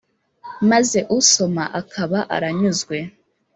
maze usoma akaba aranyuzwe